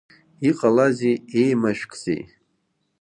Иҟалазеи, еимашәкзеи?